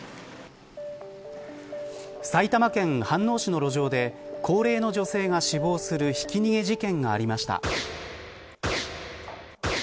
埼玉県飯能市の路上で高齢の女性が死亡するひき逃げ事件がありました。